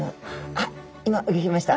あっ今うギョきました。